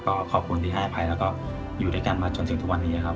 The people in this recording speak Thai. ก็ขอบคุณที่ให้อภัยแล้วก็อยู่ด้วยกันมาจนถึงทุกวันนี้ครับ